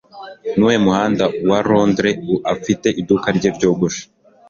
Nuwuhe muhanda wa Londres afiteho iduka rye ryogosha?